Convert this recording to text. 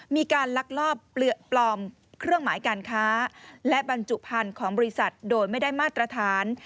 ลักลอบปลอมเครื่องหมายการค้าและบรรจุพันธุ์ของบริษัทโดยไม่ได้มาตรฐาน